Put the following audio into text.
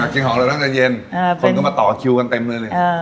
อ๋อจริงหรอกเรานั่งใจเย็นคนก็มาต่อคิวกันเต็มเลย